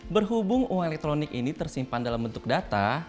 berhubung uang elektronik ini tersimpan dalam bentuk data